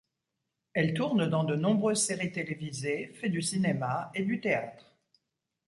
Elle tourne dans de nombreuses séries télévisées, fait du cinéma et du théâtre.